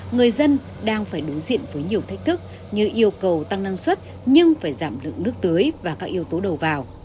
người dân đang phải đối diện với nhiều thách thức như yêu cầu tăng năng suất nhưng phải giảm lượng nước tưới và các yếu tố đầu vào